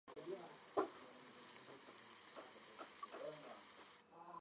伏见宫贞清亲王是江户时代初期的皇族。